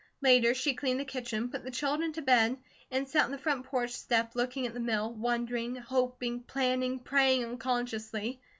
Later she cleaned the kitchen, put the children to bed, and sat on the front porch looking at the mill, wondering, hoping, planning, praying unconsciously.